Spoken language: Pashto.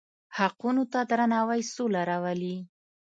حقونو ته درناوی سوله راولي.